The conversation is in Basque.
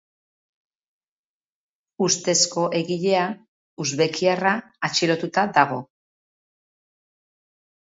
Ustezko egilea, uzbekiarra, atxilotuta dago.